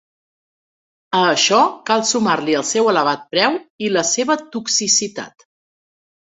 A això cal sumar-li el seu elevat preu i la seva toxicitat.